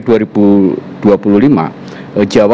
jawa akan memiliki kemampuan untuk menjaga kemampuan jawa